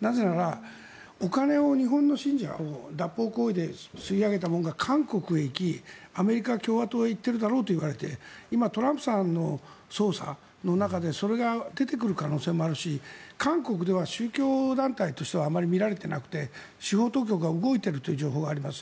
なぜなら、お金を日本の信者を脱法行為で吸い上げたものが韓国へ行きアメリカの共和党へ行っているだろうといわれて今、トランプさんの捜査の中でそれが出てくる可能性もあるし韓国では宗教団体としてはあまり見られてなくて司法当局が動いているという情報があります。